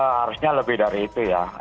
harusnya lebih dari itu ya